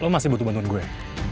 lo masih butuh bantuan gue